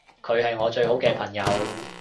佢係我最好嘅朋友